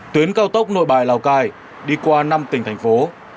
tuyến cao tốc nội bài lào cai đi qua năm tỉnh thành phố